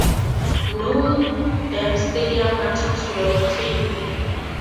No darmstadtium atoms were obtained.